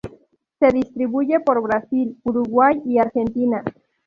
Se distribuye por Brasil, Uruguay y Argentina.